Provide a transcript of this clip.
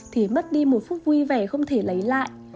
thì mất đi một phút vui vẻ không thể lấy lại